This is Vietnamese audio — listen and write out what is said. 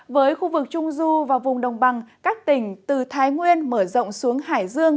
với khu vực trung du và vùng đồng bằng các tỉnh từ thái nguyên mở rộng xuống hải dương